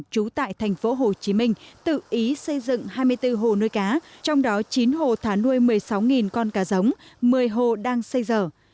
trú tại thành phố hồ chí minh tự ý xây dựng hai mươi bốn hồ nuôi cá trong đó chín hồ thả nuôi một mươi sáu con cá giống một mươi hồ đang xây dở